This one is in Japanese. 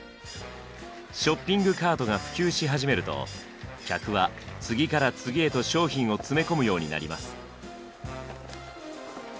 ショッピングカートが普及し始めると客は次から次へと商品を詰め込むようになります。